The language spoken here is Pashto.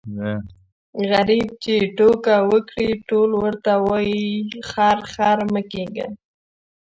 غريب چي ټوکه وکړي ټول ورته وايي خر خر مه کېږه.